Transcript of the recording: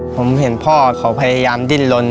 ผมเห็นพ่อเขาพยายามดิ้นลน